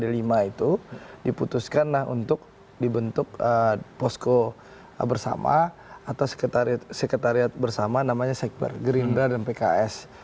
di mana tim yang berbicara dengan tim d lima itu diputuskan untuk dibentuk posko bersama atau sekretariat bersama namanya sekber gerindra dan pks